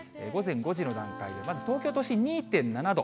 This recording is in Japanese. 午前５時の段階、まず東京都心２．７度。